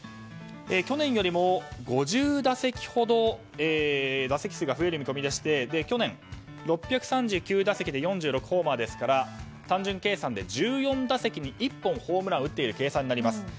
去年よりも５０打席ほど打席数が増える見込みでして去年６３９打席で４６ホーマーですから単純計算で１４打席に１本ホームランを打っている計算になります。